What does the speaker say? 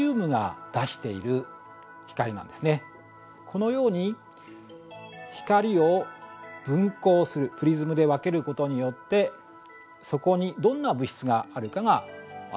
このように光を分光するプリズムで分けることによってそこにどんな物質があるかが分かるのです。